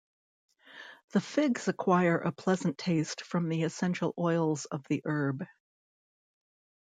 The figs acquire a pleasant taste from the essential oils of the herb.